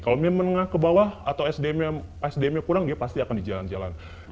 kalau menengah ke bawah atau sdm nya kurang dia pasti akan di jalan jalan